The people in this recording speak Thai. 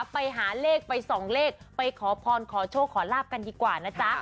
ไปหาเลขไปสองเลขไปขอพรขอโชคขอลาบกันดีกว่านะจ๊ะ